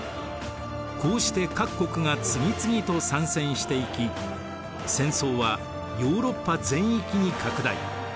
こうして各国が次々と参戦していき戦争はヨーロッパ全域に拡大。